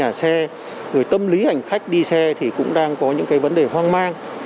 các nhà xe người tâm lý hành khách đi xe thì cũng đang có những vấn đề hoang mang